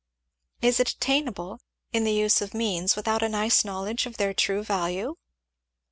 "Is it attainable, in the use of means, without a nice knowledge of their true value?"